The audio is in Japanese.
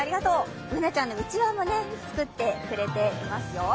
Ｂｏｏｎａちゃんのうちわも作ってくれていますよ。